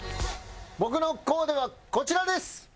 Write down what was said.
僕のコーデはこちらです。